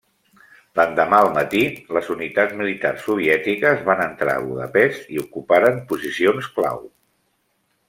L'endemà al matí, les unitats militars soviètiques van entrar a Budapest i ocuparen posicions clau.